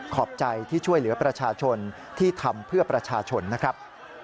ขอบใจที่ช่วยเหลือประชาชนที่ทำเพื่อประชาชนนะครับ